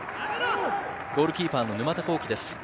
ゴールキーパーの沼田晃季です。